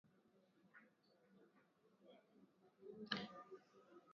Ili kurahisisha upishi ongeza supu iliyobaki